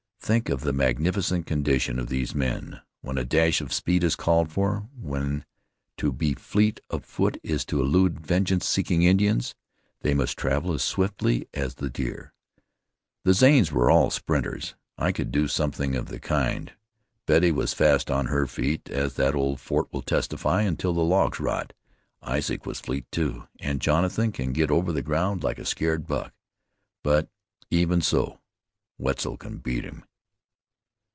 Think of the magnificent condition of these men. When a dash of speed is called for, when to be fleet of foot is to elude vengeance seeking Indians, they must travel as swiftly as the deer. The Zanes were all sprinters. I could do something of the kind; Betty was fast on her feet, as that old fort will testify until the logs rot; Isaac was fleet, too, and Jonathan can get over the ground like a scared buck. But, even so, Wetzel can beat him."